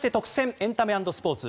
エンタメ＆スポーツ。